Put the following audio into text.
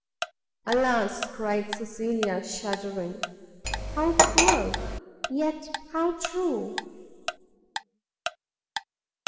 "Alas!" cried Cecilia, shuddering, "how cruel, yet how true!"